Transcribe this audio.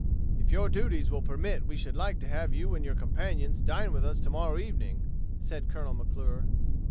"If your duties will permit we should like to have you and your companions dine with us to morrow evening," said Colonel McClure.